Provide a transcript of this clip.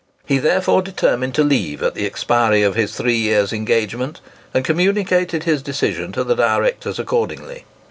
He therefore determined to leave at the expiry of his three years engagement, and communicated his decision to the directors accordingly.